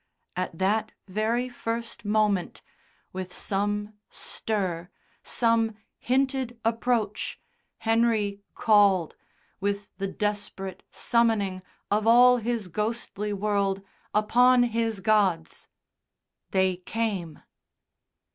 At that very first moment, with some stir, some hinted approach, Henry called, with the desperate summoning of all his ghostly world, upon his gods. They came....